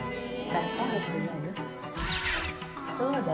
どうだ？